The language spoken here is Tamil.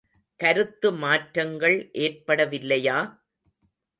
கருத்து மாற்றங்கள் ஏற்படவில்லையா?